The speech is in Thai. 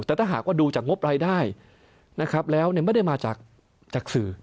แต่ถ้าหากว่าดูจากงบรายได้นะครับแล้วไม่ได้มาจากสื่อ